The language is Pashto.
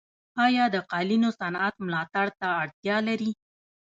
آیا د قالینو صنعت ملاتړ ته اړتیا لري؟